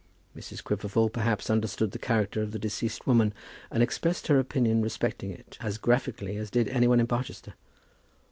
Mrs. Quiverful perhaps understood the character of the deceased woman, and expressed her opinion respecting it, as graphically as did any one in Barchester.